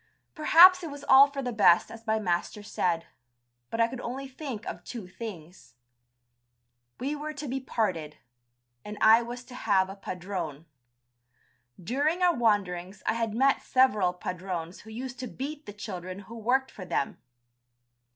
Perhaps it was all for the best as my master said, but I could only think of two things. We were to be parted, and I was to have a padrone. During our wanderings I had met several padrones who used to beat the children who worked for them.